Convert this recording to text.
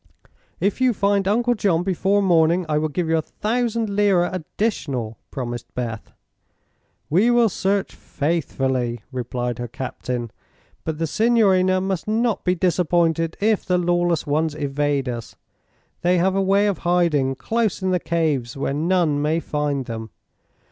"If you find Uncle John before morning I will give you a thousand lira additional," promised Beth. "We will search faithfully," replied her captain, "but the signorina must not be disappointed if the lawless ones evade us. They have a way of hiding close in the caves, where none may find them.